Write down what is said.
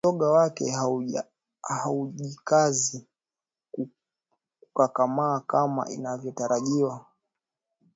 Mzoga wake haujikazi kukakamaa kama inavyotarajiwa